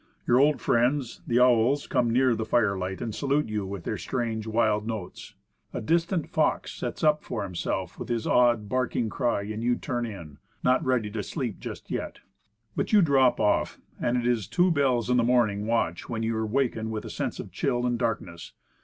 Your old friends, the owls, come near the fire light and salute you with their strange wild notes; a distant fox sets up for himself with his odd, barking cry, and you turn in. Not ready to sleep just yet. But you drop off; and it is two bells in the morn ing watch when you waken with a sense of chill and darkness.